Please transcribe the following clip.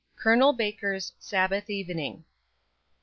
COL. BAKER'S SABBATH EVENING.